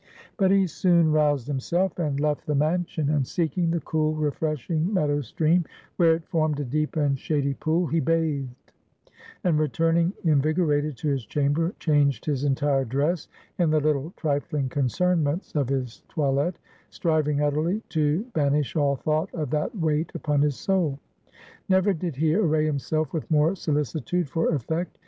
But he soon roused himself, and left the mansion; and seeking the cool, refreshing meadow stream, where it formed a deep and shady pool, he bathed; and returning invigorated to his chamber, changed his entire dress; in the little trifling concernments of his toilette, striving utterly to banish all thought of that weight upon his soul. Never did he array himself with more solicitude for effect.